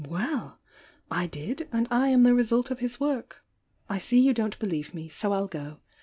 Well! 1 did and I am the result of his work. I see you don't believe me. so I'll go.